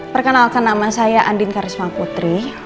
perkenalkan nama saya andin karisma putri